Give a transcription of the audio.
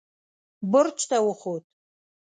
برج ته وخوت.